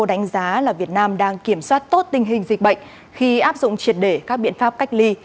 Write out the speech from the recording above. đánh giá là việt nam đang kiểm soát tốt tình hình dịch bệnh khi áp dụng triệt để các biện pháp cách ly